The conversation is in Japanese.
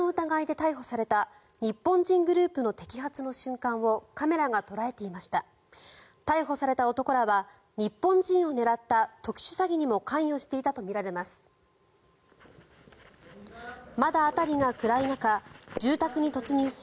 逮捕された男らは日本人を狙った特殊詐欺にも関与していたとみられます。